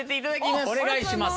お願いします。